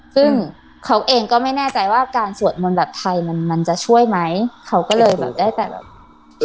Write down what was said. ซึ่งเขาเองก็ไม่แน่ใจว่าการสวดมนต์แบบไทยมันมันจะช่วยไหมเขาก็เลยแบบได้แต่แบบ